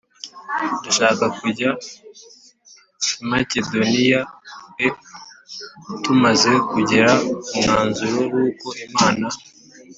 dushaka kujya i Makedoniyae tumaze kugera ku mwanzuro w uko Imana